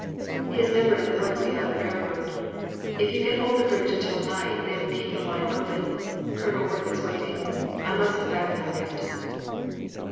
His men are in the woods behind the railroad. If you can hold the bridge until night 204 In the Name of the Most High. they will keep the line open. Colonel Worth is waiting. I must go back now, Captain."